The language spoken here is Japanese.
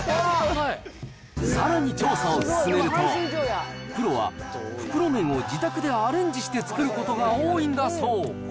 さらに調査を進めると、プロは袋麺を自宅でアレンジして作ることが多いんだそう。